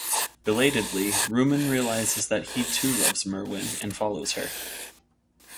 Belatedly, Rumon realises that he too loves Merewyn, and follows her.